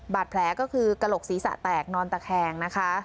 บาดแผลก็คือกระหลกศรีสะแตกนอนตะแคง